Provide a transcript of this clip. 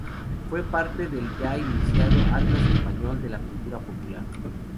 Forma parte del ya iniciado "Atlas español de la cultura popular".